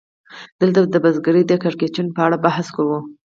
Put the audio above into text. دلته د بزګرۍ د کړکېچونو په اړه بحث کوو